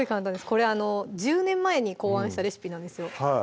これ１０年前に考案したレシピなんですよ